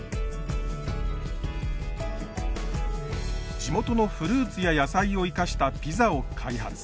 地元のフルーツや野菜を生かしたピザを開発。